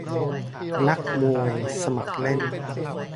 นักมวยสมัครเล่น